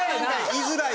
居づらい！